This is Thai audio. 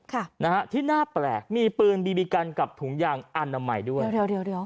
ค่ะนะฮะที่น่าแปลกมีปืนบีบีกันกับถุงยางอนามัยด้วยเดี๋ยวเดี๋ยวเดี๋ยว